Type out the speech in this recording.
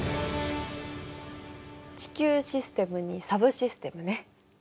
地球システムにサブシステムね。